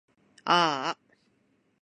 あーあ